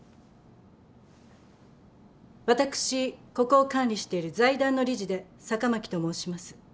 私ここを管理している財団の理事で坂巻と申します。